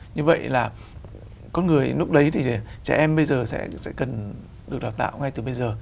như vậy là con người lúc đấy thì trẻ em bây giờ sẽ cần được đào tạo ngay từ bây giờ